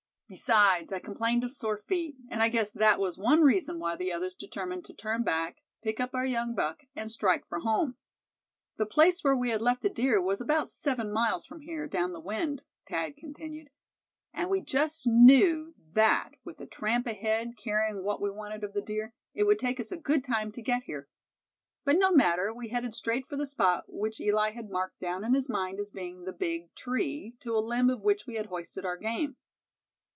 Besides, I complained of sore feet; and I guess that was one reason why the others determined to turn back, pick up our young buck, and strike for home." "The place where we had left the deer was about seven miles from here, down the wind," Thad continued; "and we just knew that with that tramp ahead, carrying what we wanted of the deer, it would take us a good time to get here. But no matter, we headed straight for the spot which Eli had marked down in his mind as being the big tree, to a limb of which we had hoisted our game.